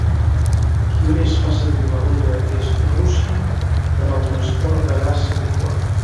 Qui més fa servir la ruta és Rússia, per al transport de gas liquat.